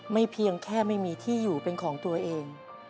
เพียงแค่ไม่มีที่อยู่เป็นของตัวเอง